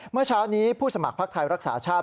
เมื่อเช้านี้ผู้สมัครพักไทยรักษาชาติ